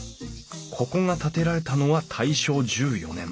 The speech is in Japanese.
ここが建てられたのは大正１４年。